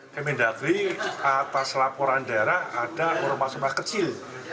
kementerian dalam negeri atas laporan daerah ada ormas ormas kecil